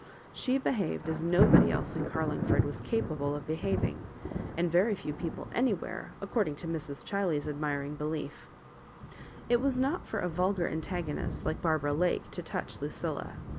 She behaved as nobody else in Carlmg foi^ was capable of behaving, and very few people anywhere, according to Mrs. Chiley's admiring belief It was not for a vulgar antagonist like Barbara Lake to touch Lucilla.